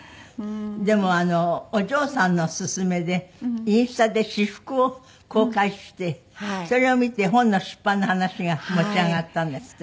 でもお嬢さんの勧めでインスタで私服を公開してそれを見て本の出版の話が持ち上がったんだって？